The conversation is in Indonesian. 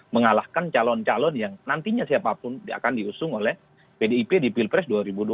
mengalahkan calon calon yang nantinya siapapun akan diusung oleh pdip di pilpres dua ribu dua puluh